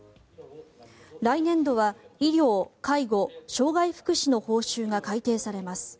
来年度は医療、介護、障害福祉の報酬が改定されます。